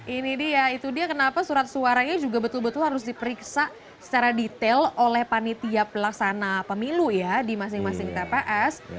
ini dia itu dia kenapa surat suaranya juga betul betul harus diperiksa secara detail oleh panitia pelaksana pemilu ya di masing masing tps